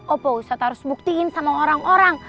opa ustad harus buktiin sama orang orang